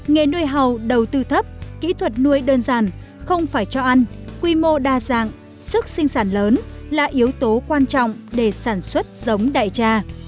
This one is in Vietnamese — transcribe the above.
nghề nuôi hầu đầu tư thấp kỹ thuật nuôi đơn giản không phải cho ăn quy mô đa dạng sức sinh sản lớn là yếu tố quan trọng để sản xuất giống đại tra